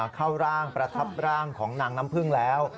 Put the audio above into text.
เข้าร่างประทับร่างของนางน้ำพึ่งแล้ว